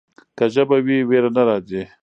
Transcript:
که ژبه وي ویره نه راځي.